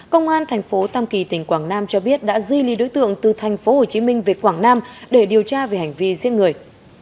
công an thành phố tam kỳ tỉnh quảng nam cho biết đã di lý đối tượng từ tp hcm về quảng nam để điều tra về hành vi giết người